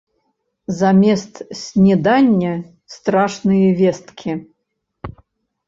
Замест снедання страшныя весткі.